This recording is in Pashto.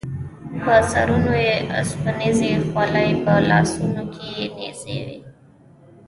په سرونو یې اوسپنیزې خولۍ او په لاسونو کې یې نیزې وې.